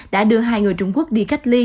đã đưa hai người trung quốc đi cách ly